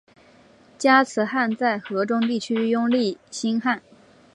加兹罕在河中地区拥立新汗。